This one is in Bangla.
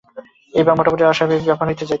এটাকে মোটামুটি অস্বাভাবিক ব্যাপার বলা যেতে পারে।